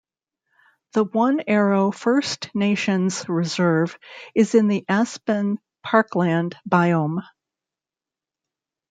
The One Arrow First Nation's reserve is in the aspen parkland biome.